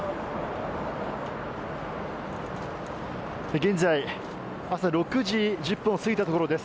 現在、朝６時１０分を過ぎたところです。